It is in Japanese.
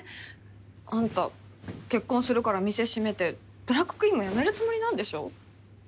あんた結婚するから店閉めてドラァグクイーンを辞めるつもりなんでしょ？